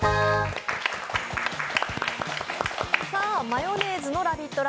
マヨネーズのラヴィット！